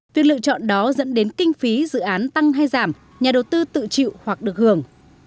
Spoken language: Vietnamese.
việc lựa chọn đó dẫn đến kinh phí dự án tăng hay giảm nhà đầu tư tự chịu hoặc được hưởng